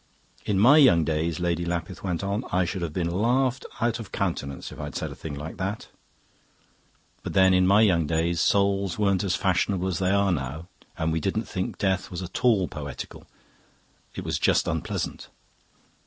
"'In my young days,' Lady Lapith went on, 'I should have been laughed out of countenance if I'd said a thing like that. But then in my young days souls weren't as fashionable as they are now and we didn't think death was at all poetical. It was just unpleasant.